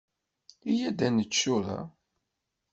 Iyya ad nečč tura.